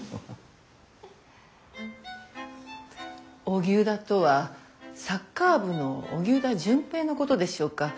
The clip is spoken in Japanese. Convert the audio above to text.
オギュウダとはサッカー部の荻生田隼平のことでしょうか？